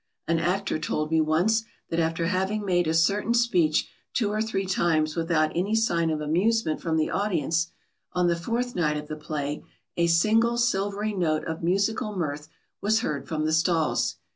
An actor told me once that after having made a certain speech two or three times without any sign of amusement from the audience, on the fourth night of the play a single silvery note of musical mirth was heard from the stalls.